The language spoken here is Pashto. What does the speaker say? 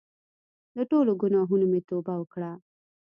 له ټولو ګناهونو مې توبه وکړه.